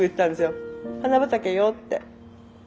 お花畑よって。